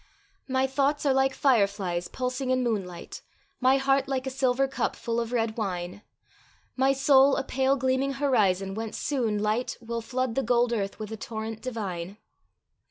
My thouchts are like fire flies pulsing in moonlight; My heart like a silver cup full of red wine; My soul a pale gleaming horizon, whence soon light Will flood the gold earth with a torrent divine.